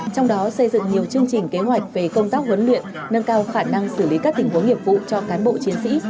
trong đó xây dựng nhiều chương trình kế hoạch về công tác huấn luyện nâng cao khả năng xử lý các tình huống nghiệp vụ cho cán bộ chiến sĩ